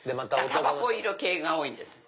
たばこ入れ系が多いんです。